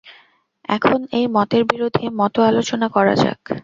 এখন এই মতের বিরোধী মত আলোচনা করা যাক।